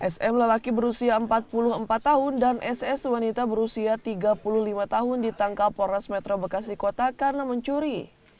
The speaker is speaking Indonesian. sm lelaki berusia empat puluh empat tahun dan ss wanita berusia tiga puluh lima tahun ditangkap polres metro bekasi kota karena mencuri